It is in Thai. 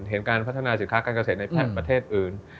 เห็นการพัฒนาสินค้าการเกษตรในประเทศอื่น